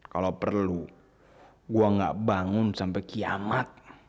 kalau perlu gue gak bangun sampai kiamat